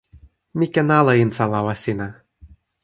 mi ken ala insa lawa sina